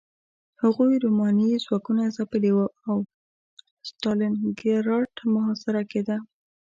هغوی رومانیايي ځواکونه ځپلي وو او ستالینګراډ محاصره کېده